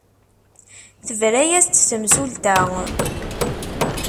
Tebra-as-d temsulta.